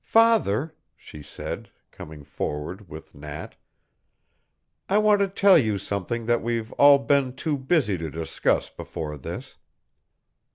"Father," she said, coming forward with Nat, "I want to tell you something that we've all been too busy to discuss before this.